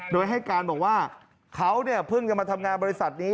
โดยให้การบอกว่าเขาเนี่ยเพิ่งจะมาทำงานบริษัทนี้